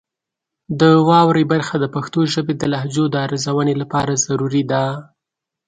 د واورئ برخه د پښتو ژبې د لهجو د ارزونې لپاره ضروري ده.